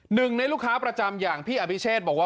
หนึ่งในลูกค้าประจำอย่างพี่อภิเชษบอกว่า